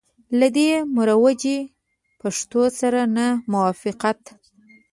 له دې مروجي پښتو سره نه موافقت.